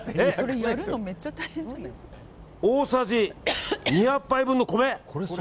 大さじ２００杯分の米。